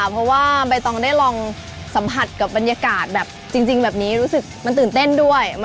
เพราะว่าใบตองได้ลองสัมผัสกับบรรยากาศแบบ